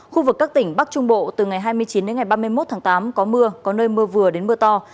khu vực các tỉnh bắc trung bộ từ ngày hai mươi chín đến ngày ba mươi một tháng tám có mưa có nơi mưa vừa đến mưa to